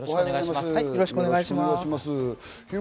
よろしくお願いします。